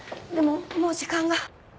でももう時間が。